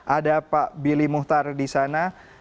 ada pak billy muhtar di sana